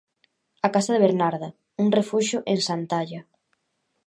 'A casa de Bernarda, un refuxio en Santalla'.